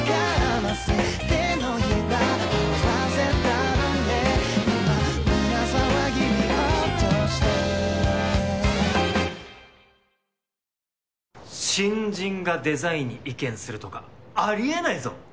あの香水新人がデザインに意見するとかあり得ないぞ！